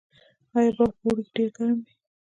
آیا بلخ په اوړي کې ډیر ګرم وي؟